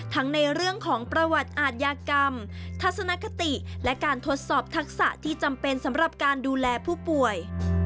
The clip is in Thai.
ในเรื่องของประวัติอาทยากรรมทัศนคติและการทดสอบทักษะที่จำเป็นสำหรับการดูแลผู้ป่วย